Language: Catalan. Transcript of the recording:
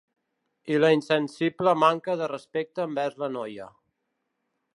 I la insensible manca de respecte envers la noia.